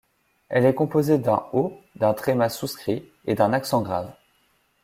Elle est composée d’un O, d’un tréma souscrit et d’un accent grave.